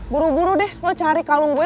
buru buru deh lo cari kalung gue